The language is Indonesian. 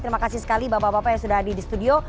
terima kasih sekali bapak bapak yang sudah hadir di studio